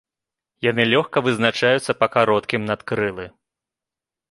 Яны лёгка вызначаюцца па кароткім надкрылы.